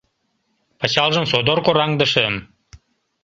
Пычалжым содор кораҥдышым.